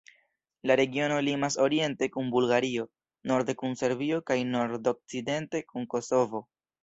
La regiono limas oriente kun Bulgario, norde kun Serbio kaj nordokcidente kun Kosovo.